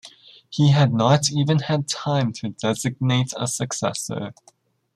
He had not even had time to designate a successor.